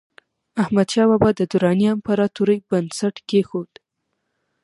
احمدشاه بابا د دراني امپراتورۍ بنسټ یې کېښود.